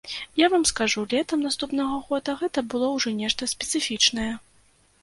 Я вам скажу, летам наступнага года гэта было ўжо нешта спецыфічнае.